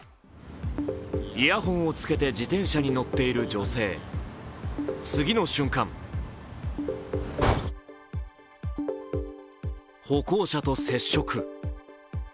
イヤホンをつけて自転車に乗っている女性次の瞬間歩行者と接触。